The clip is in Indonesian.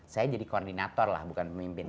saya jadi koordinator lah bukan pemimpin